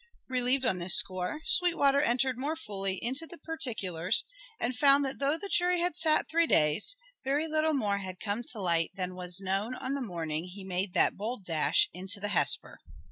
Relieved on this score, Sweetwater entered more fully into the particulars, and found that though the jury had sat three days, very little more had come to light than was known on the morning he made that bold dash into the Hesper.